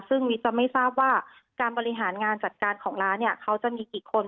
ซึ่งมิตรจะไม่ทราบว่าการบริหารงานจัดการของร้านเนี่ยเขาจะมีกี่คน